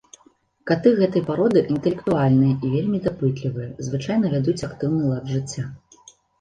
Каты гэтай пароды інтэлектуальныя і вельмі дапытлівыя, звычайна вядуць актыўны лад жыцця.